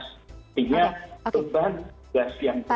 hingga tekanan gas yang terlalu